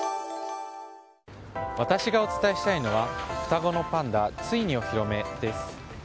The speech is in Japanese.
私がお伝えしたいのは双子のパンダついにお披露目です。